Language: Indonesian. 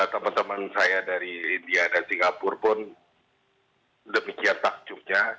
teman teman saya dari india dan singapura pun demikian takjubnya